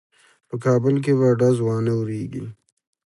په کابل کې به ډز وانه وریږي.